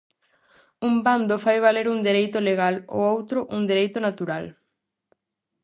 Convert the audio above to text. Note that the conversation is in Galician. Un bando fai valer un dereito legal, o outro un dereito natural.